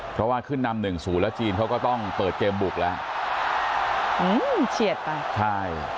เพราะว่าขึ้นนำหนึ่งศูนย์แล้วจีนเขาก็ต้องเปิดเกมบุกแล้วอืมเฉียดไปใช่